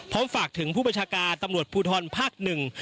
พร้อมฝากถึงผู้บริษักาตำรวจพูทรภหนึ่ง